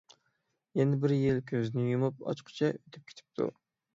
يەنە بىر يىل كۆزنى يۇمۇپ ئاچقۇچە ئۆتۈپ كېتىپتۇ.